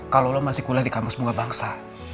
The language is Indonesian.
kalau lo masih kuliah di kampus bunga bangsa